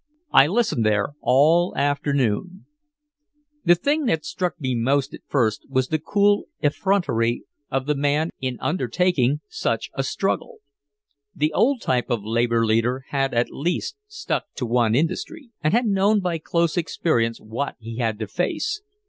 I listened there all afternoon. The thing that struck me most at first was the cool effrontery of the man in undertaking such a struggle. The old type of labor leader had at least stuck to one industry, and had known by close experience what he had to face.